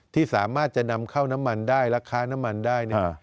ที่สามารถจะนำเข้าน้ำมันได้ราคาน้ำมันได้เนี่ย